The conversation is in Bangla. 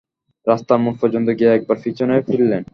রাস্তার মোড় পর্যন্ত গিয়ে একবার পিছনে ফিরলেন।